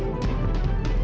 kasar dia mas